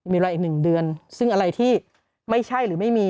มีเวลาอีก๑เดือนซึ่งอะไรที่ไม่ใช่หรือไม่มี